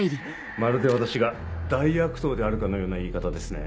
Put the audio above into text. まるで私が大悪党であるかのような言い方ですね。